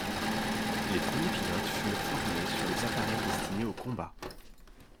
Les premiers pilotes furent formés sur les appareils destinés au combat.